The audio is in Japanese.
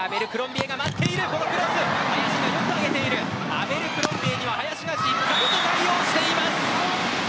アベルクロンビエには林がしっかり対応しています！